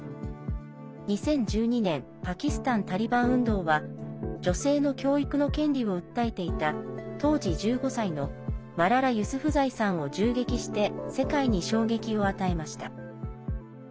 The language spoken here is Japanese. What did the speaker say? ２０１２年パキスタン・タリバン運動は女性の教育の権利を訴えていた当時１５歳のマララ・ユスフザイさんを銃撃して世界に衝撃を与えました。